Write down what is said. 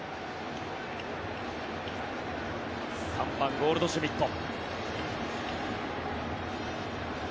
３番ゴールドシュミット。